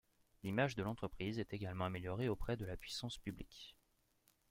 L'image de l'entreprise est également améliorée auprès de la puissance publique.